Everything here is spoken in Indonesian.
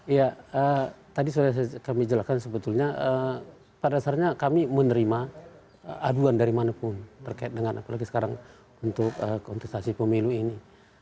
iya tadi sudah kami jelaskan sebetulnya pada dasarnya kami menerima aduan dari manapun terkait dengan apalagi sekarang untuk kontestasi pemilu ini